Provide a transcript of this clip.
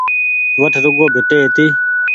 وٺ رگون ڀيٽي هيتي